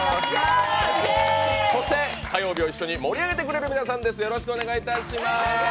そして火曜日を一緒に盛り上げてくれる皆さんです。